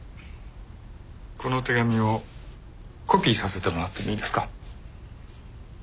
この手紙をコピーさせてもらってもいいですか？